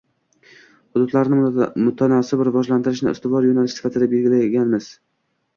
Hududlarni mutanosib rivojlantirishni ustuvor yo‘nalish sifatida belgilaganmiz.